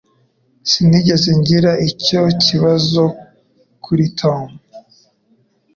Sinigeze ngira icyo kibazo kuri Tom